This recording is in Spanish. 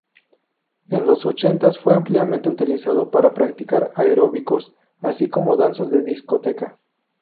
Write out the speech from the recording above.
En los ochentas fue ampliamente utilizado para practicar aeróbicos, así como danzas de discoteca.